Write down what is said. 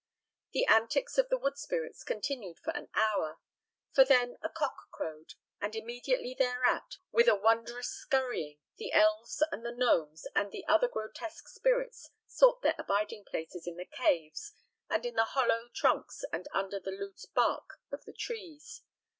The antics of the wood spirits continued but an hour; for then a cock crowed, and immediately thereat, with a wondrous scurrying, the elves and the gnomes and the other grotesque spirits sought their abiding places in the caves and in the hollow trunks and under the loose bark of the trees.